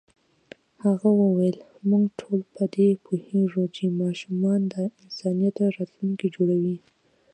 هغې وویل موږ ټول په دې پوهېږو چې ماشومان د انسانیت راتلونکی جوړوي.